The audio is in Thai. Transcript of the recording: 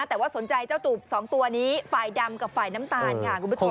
แต่ว่าสนใจเจ้าตูบสองตัวนี้ฝ่ายดำกับฝ่ายน้ำตาล